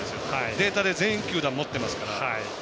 データで全球団持ってますから。